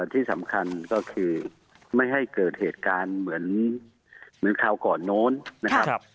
ที่สำคัญก็คือไม่ให้เกิดเหตุการณ์เหมือนคราวก่อนโน้นนะครับ